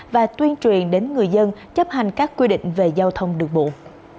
và tuyên truyền đến người dân chấp hành các quy định về giao thông được bụng